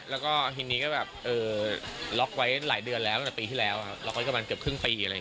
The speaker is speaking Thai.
แล้วก็ทีนี้ก็แบบล็อกไว้หลายเดือนแล้วแต่ปีที่แล้วล็อกไว้กับมันเกือบครึ่งปี